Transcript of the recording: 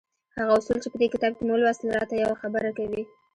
هغه اصول چې په دې کتاب کې مو ولوستل را ته يوه خبره کوي.